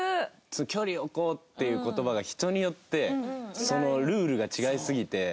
「距離を置こう」っていう言葉が人によってルールが違いすぎて。